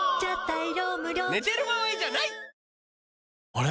あれ？